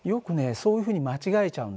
そういうふうに間違えちゃうんだ。